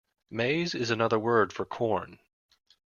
Maize is another word for corn